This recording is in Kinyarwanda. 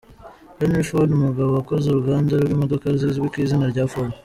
Henry Ford umugabo wakoze uruganda rw’imodoka zizwi kw’izina rye “Ford”.